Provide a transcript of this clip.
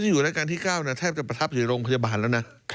อยู่รายการที่๙แทบจะประทับอยู่โรงพยาบาลแล้วนะ